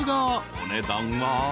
お値段は］